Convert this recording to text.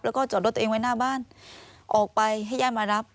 แล้วก็จอดรถตัวเองไว้หน้าบ้านออกไปให้ญาติมารับ